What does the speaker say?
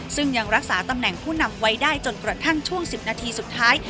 ซึ่งยังรักษาตำแหน่งผู้นำไว้ได้จนกระทั่งช่วง๑๐นาทีสุดท้าย